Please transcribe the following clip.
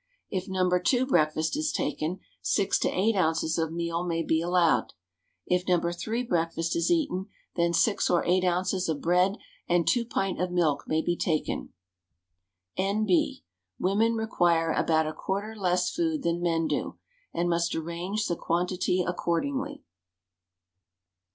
If No. II. breakfast is taken, 6 to 8 oz. of meal may be allowed. If No. III. breakfast is eaten, then 6 or 8 oz. of bread and 2 pint of milk may be taken. N.B. Women require about a quarter less food than men do, and must arrange the quantity accordingly.